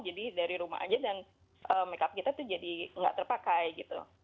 jadi dari rumah aja dan makeup kita tuh jadi nggak terpakai gitu